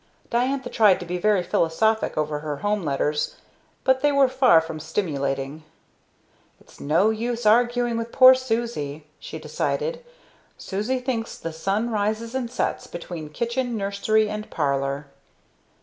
Diantha tried to be very philosophic over her home letters; but they were far from stimulating. "It's no use arguing with poor Susie!" she decided. "Susie thinks the sun rises and sets between kitchen, nursery and parlor!